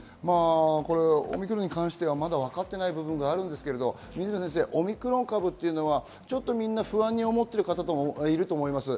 オミクロンに関してはまだ分かっていない部分があるんですが、オミクロン株はみんな不安に思っている方もいると思います。